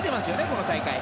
この大会。